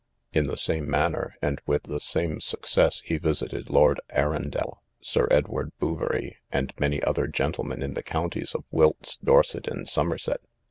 In the same manner, and with the same success, he visited Lord Arundel, Sir Edward Bouverie, and many other gentlemen in the counties of Wilts, Dorset, and Somerset.